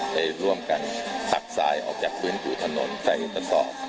ไปร่วมกันตักสายออกจากพื้นผิวถนนใส่กระสอบ